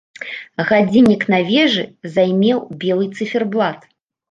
Гадзіннік на вежы займеў белы цыферблат.